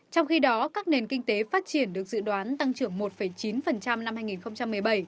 trong khi đó các nền kinh tế phát triển được dự đoán tăng trưởng một chín năm hai nghìn một mươi bảy